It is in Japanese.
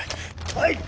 はい！